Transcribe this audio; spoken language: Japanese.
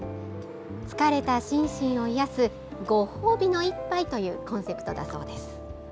疲れた心身を癒やすご褒美の一杯というコンセプトだそうです。